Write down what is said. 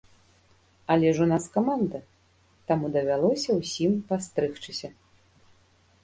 Але ж у нас каманда, таму давялося ўсім пастрыгчыся.